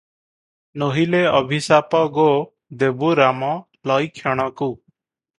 ନୋହିଲେ ଅଭିଶାପ ଗୋ ଦେବୁ ରାମ ଲଇକ୍ଷଣକୁ ।'